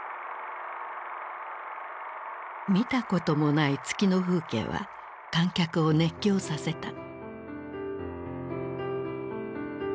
見たこともない月の風景は観客を熱狂させた。